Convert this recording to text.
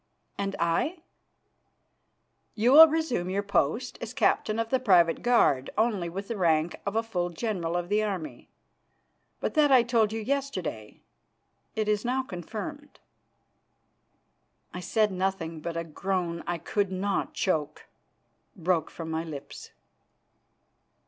"And I?" "You will resume your post as captain of the private guard, only with the rank of a full general of the army. But that I told you yesterday. It is now confirmed." I said nothing, but a groan I could not choke broke from my lips.